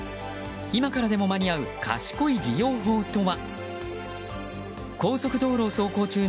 今からでも間に合う賢い利用法とは？